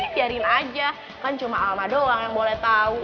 biarin aja kan cuma alma doang yang boleh tahu